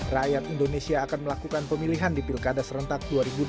rakyat indonesia akan melakukan pemilihan di pilkada serentak dua ribu dua puluh